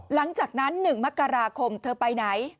หลังจากนั้น๑มกราคมเธอไปไหน